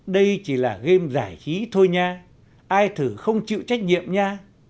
đây chỉ là game giải khí thôi nha ai thử không chịu trách nhiệm nha